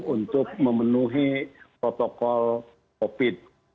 untuk memenuhi protokol covid sembilan belas